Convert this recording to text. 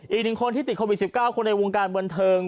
อีกหนึ่งคนที่ติดโควิด๑๙คนในวงการบันเทิง